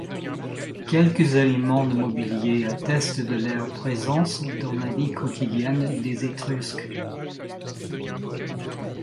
Quelques éléments de mobilier attestent de leur présence dans la vie quotidienne des Étrusques.